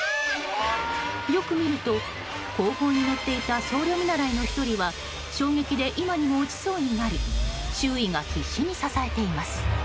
よく見ると、後方に乗っていた僧侶見習いの１人は衝撃で今にも落ちそうになり周囲が必死に支えています。